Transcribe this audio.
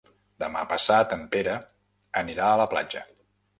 Demà passat en Pere anirà a la platja.